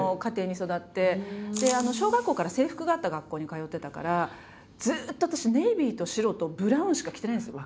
小学校から制服があった学校に通ってたからずっと私ネイビーと白とブラウンしか着てないんですよ。